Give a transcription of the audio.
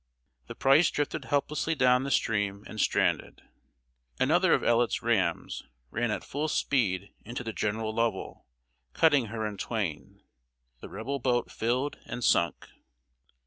The Price drifted helplessly down the stream and stranded. Another of Ellet's rams ran at full speed into the General Lovell, cutting her in twain. The Rebel boat filled and sunk.